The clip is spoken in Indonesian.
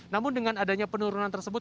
namun dengan adanya penurunan tersebut